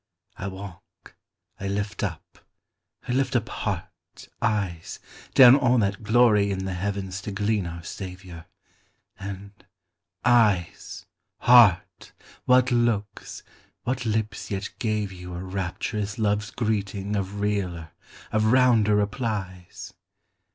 I walk, I lift up, I lift up heart, eyes, Down all that glory in the heavens to glean our Saviour; And, éyes, heárt, what looks, what lips yet gave you a Rapturous love's greeting of realer, of rounder replies?